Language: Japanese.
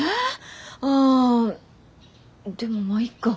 あでもまあいいか。